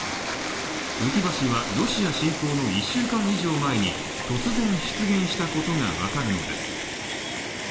浮き橋はロシア侵攻の１週間以上前に突然、出現したことが分かるのです。